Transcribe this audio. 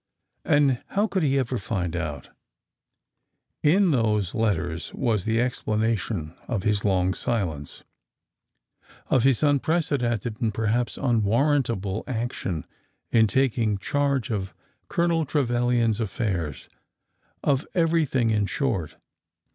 And how could he ever find out ? In those letters was the explanation of his long silence, of his unprecedented and, perhaps, unwarrantable action in taking charge of Colonel Trevilian's affairs — of everything, in short.